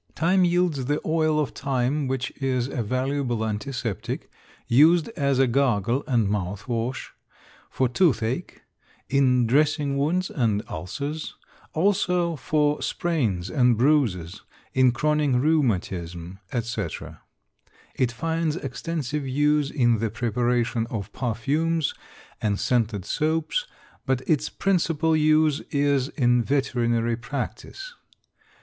Thyme yields the oil of thyme which is a valuable antiseptic, used as a gargle and mouth wash, for toothache, in dressing wounds and ulcers, also for sprains and bruises, in chronic rheumatism, etc. It finds extensive use in the preparation of perfumes and scented soaps; but its principal use is in veterinary practice.